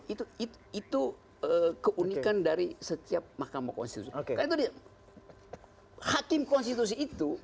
itu keunikan dari setiap mahkamah konstitusi